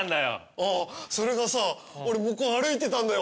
あぁそれがさ俺向こう歩いてたんだよ。